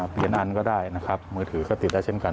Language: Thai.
เปลี่ยนอันก็ได้นะครับมือถือก็ติดได้เช่นกัน